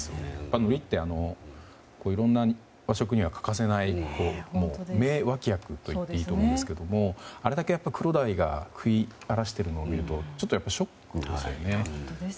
のりっていろんな和食には欠かせない名脇役と言っていいと思うんですがあれだけクロダイが食い荒らしているのを見るとちょっとショックですよね。